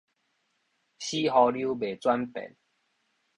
死鰗鰡袂轉變